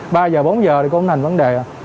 ba h bốn h thì cũng không thành vấn đề